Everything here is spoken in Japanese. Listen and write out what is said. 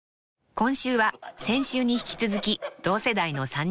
［今週は先週に引き続き同世代の３人］